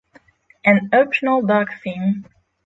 An optional dark theme